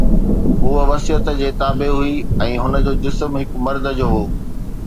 هوءَ وصيت جي تابع هئي ۽ هن جو جسم هڪ مرد جو هو